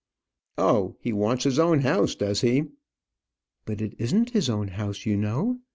"Oh, he wants his own house, does he?" "But it isn't his own house, you know.